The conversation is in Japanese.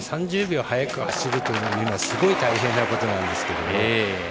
３０秒早く走るというのはすごい大変なことなんですけどね。